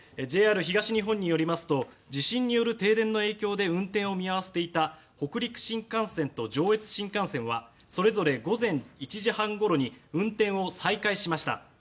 ＪＲ東日本によりますと地震による停電の影響で運転を見合わせていた北陸新幹線と上越新幹線はそれぞれ午前１時半ごろに運転を再開しました。